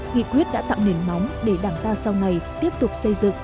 nghị quyết đã tặng nền móng để đảng ta sau này tiếp tục xây dựng